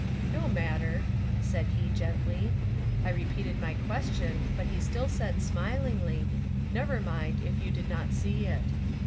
" No matter," said he gently. I repeated my question, but he still said smilingly, ^ Never mind, if you did not see it."